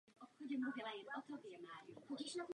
Přihlaš se na konzultaci nebo mi napiš.